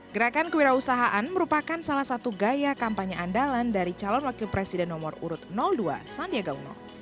gerakan kewirausahaan merupakan salah satu gaya kampanye andalan dari calon wakil presiden nomor urut dua sandiaga uno